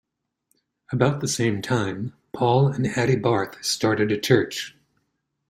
About the same time, Paul and Hattie Barth started a church.